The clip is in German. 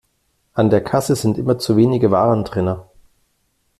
An der Kasse sind immer zu wenige Warentrenner.